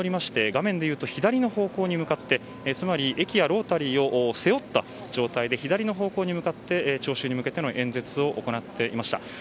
画面左の方向に向かってつまり駅やロータリーを背負った状態で左の方向に向かって聴衆に向けて演説を行っていました。